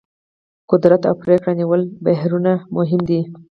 قدرت او پرېکړې نیولو بهیرونه مهم دي.